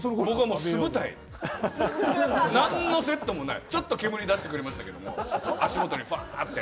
僕はもう素舞台、何のセットもない、ちょっと煙を出してくれましたけれども、足元にファッて。